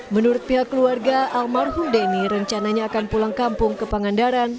menurut pihak keluarga almarhum denny rencananya akan pulang kampung ke pangandaran